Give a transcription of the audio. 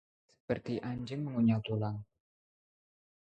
Seperti anjing mengunyah tulang